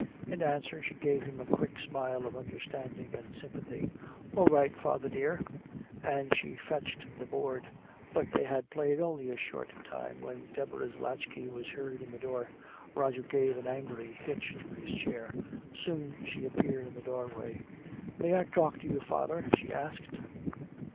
In answer she gave him a quick smile of understanding and sympathy. "All right, father dear." And she fetched the board. But they had played only a short time when Deborah's latchkey was heard in the door. Roger gave an angry hitch to his chair. Soon she appeared in the doorway. "May I talk to you, father?" she asked.